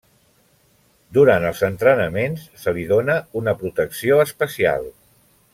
Durant els entrenaments, se li dóna una protecció especial.